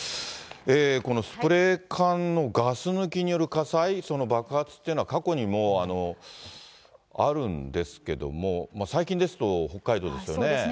このスプレー缶のガス抜きによる火災、その爆発っていうのは、過去にもあるんですけれども、そうですね。